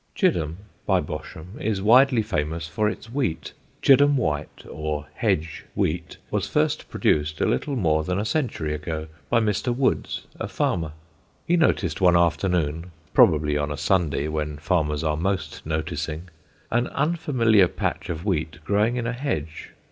[Sidenote: CHIDHAM WHEAT] Chidham, by Bosham, is widely famous for its wheat. Chidham White, or Hedge, wheat was first produced a little more than a century ago by Mr. Woods, a farmer. He noticed one afternoon (probably on a Sunday, when farmers are most noticing) an unfamiliar patch of wheat growing in a hedge.